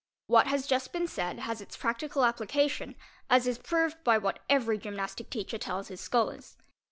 What has just been said has its prac tical application, as is proved by what every gymnastic teacher tells h scholars.